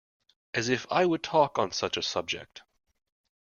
As if I would talk on such a subject!